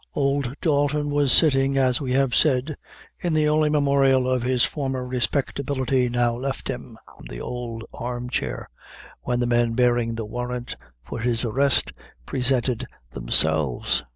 Old Dalton was sitting, as we have said, in the only memorial of his former respectability now left him the old arm chair when the men bearing the warrant for his arrest presented themselves.